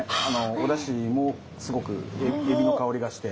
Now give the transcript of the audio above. おだしもすごくエビの香りがして。